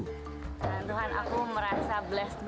tuhan aku merasa blessed